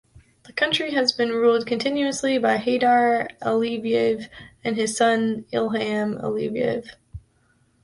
The country has been ruled continuously by Heydar Aliyev and his son Ilham Aliyev.